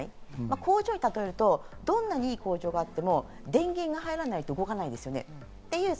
工場に例えると、どんなにいい工場があっても電源が入らないと動かない。